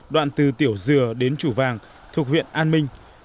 đoạn từ tiểu dừa đến chủ vàng thuộc huyện an minh